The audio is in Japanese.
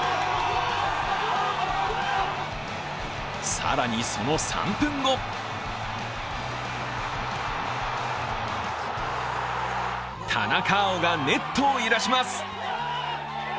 更に、その３分後田中碧がネットを揺らします。